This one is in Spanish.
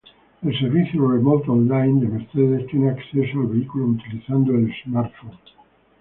El servicio "Remote Online" de Mercedes tiene acceso al vehículo utilizando el "smartphone".